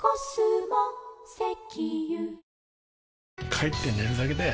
帰って寝るだけだよ